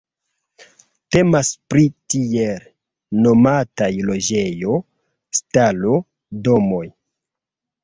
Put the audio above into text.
Temas pri tiel nomataj loĝejo-stalo-domoj.